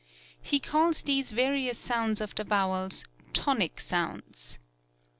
He calls these various sounds of the vowels tonic sounds.